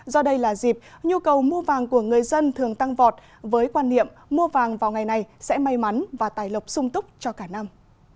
do đây là dịp nhu cầu mua vàng của người dân thường tăng vọt với quan niệm mua vàng vào ngày này sẽ may mắn và tài lộc sung túc cho cả năm